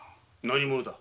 何者だ？